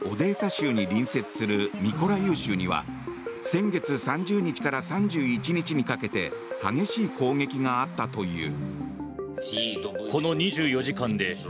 州に隣接するミコライウ州には先月３０日から３１日にかけて激しい攻撃があったという。